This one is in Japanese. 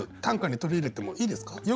短歌に取り入れてもいいですか？